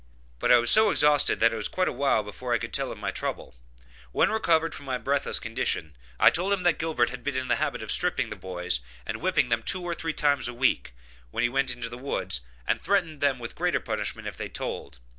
But I was so exhausted that it was quite a while before I could tell him my trouble; when recovered from my breathless condition, I told him that Gilbert had been in the habit of stripping the boys and whipping them two or three times a week, when we went into the woods, and threatened them with greater punishment if they told.